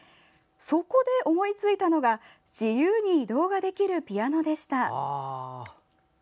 そこで思いついたのが自由に移動ができるピアノでした。